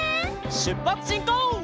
しゅっぱつしんこう！